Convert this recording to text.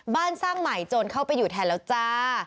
สร้างใหม่โจรเข้าไปอยู่แทนแล้วจ้า